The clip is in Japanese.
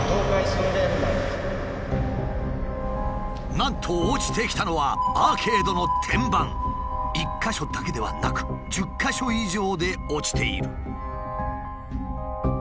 なんと落ちてきたのは１か所だけではなく１０か所以上で落ちている。